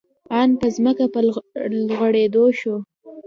آن په ځمکه په لوغړېدو شو.